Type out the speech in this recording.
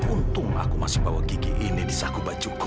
untung aku masih bawa gigi ini di saku bajuku